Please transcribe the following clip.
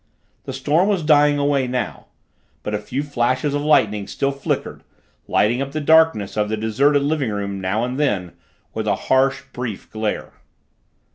The storm was dying away now, but a few flashes of lightning still flickered, lighting up the darkness of the deserted living room now and then with a harsh, brief glare.